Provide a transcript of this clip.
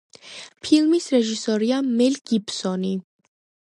ფილმის რეჟისორია მელ გიბსონი.